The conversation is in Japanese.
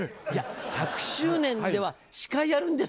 １００周年では司会やるんですか！